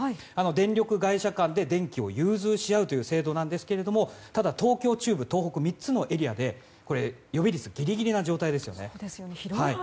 電力会社間で電気を融通し合うというものなんですがただ、東京・中部・東北の３つのエリアで予備率ギリギリの状態ですよね。